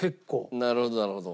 なるほどなるほど。